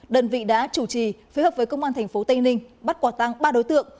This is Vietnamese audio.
đơn vị đã chủ trì phối hợp với công an tp tây ninh bắt quả tăng ba đối tượng